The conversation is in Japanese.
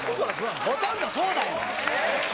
ほとんどそうだよ。